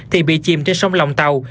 thì bị chìm trên sông lòng tàu